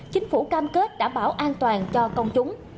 chính phủ cam kết đảm bảo an toàn cho công chúng